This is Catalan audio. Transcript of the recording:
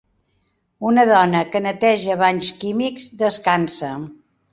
Una dona que neteja banys químics descansa.